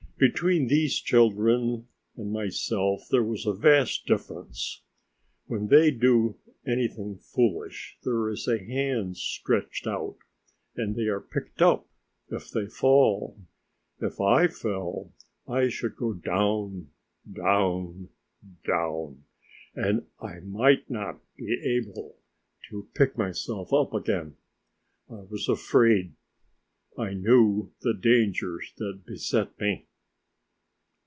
Between these children and myself there was a vast difference. When they do anything foolish there is a hand stretched out, and they are picked up if they fall. If I fell I should go down, down, down, and I might not be able to pick myself up again. I was afraid. I knew the dangers that beset me.